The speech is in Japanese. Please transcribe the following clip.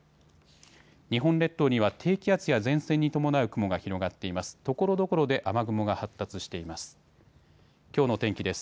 日本列島には低気圧や前線に伴う雲が広がっています。